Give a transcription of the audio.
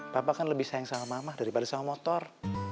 bapak kan lebih sayang sama mama daripada sama motor